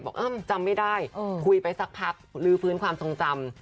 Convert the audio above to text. จำไม่ได้คุยไปสักพักลื้อฟื้นความทรงจำ